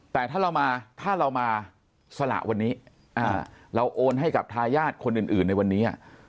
แต่ถ้าเรามาสระวันนี้แล้วโอนให้กับทายาทคนอื่นในวันนี้